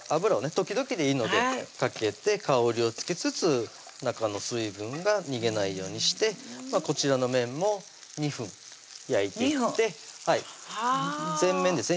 時々でいいのでかけて香りをつけつつ中の水分が逃げないようにしてこちらの面も２分焼いていって２分はぁ全面ですね